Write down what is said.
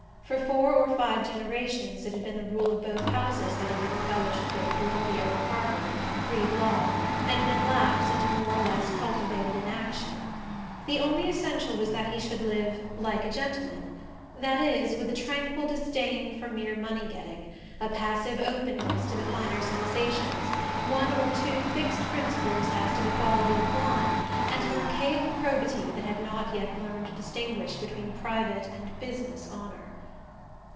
For four or five generations it had been the rule of both houses that a young fellow should go to Columbia or Harvard, read law, and then lapse into more or less cultivated inaction. The only essential was that he should live "like a gentleman" that is, with a tranquil disdain for mere money getting, a passive openness to the finer sensations, one or two fixed principles as to the quality of wine, and an archaic probity that had not yet learned to distinguish between private and "business" honour.